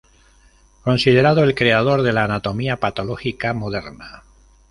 Considerado el creador de la anatomía patológica moderna.